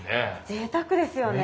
ぜいたくですよね。